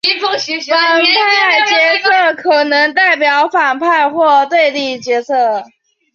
反派角色可能代表反派或对立角色。